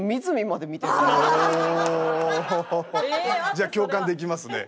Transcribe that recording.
じゃあ共感できますね。